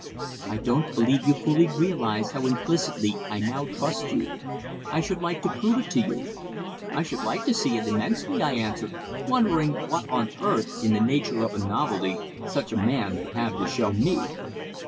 I don't believe you fully realize how implicitly I now trust you. I should like to prove it to you." "I should like to see it, immensely," I answered, wondering what on earth, in the nature of a novelty, such a man could have to show me.